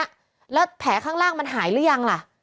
แล้วแผลข้างล่างมันหายหรือยังล่ะ